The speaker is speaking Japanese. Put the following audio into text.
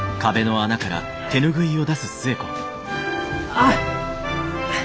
あっ！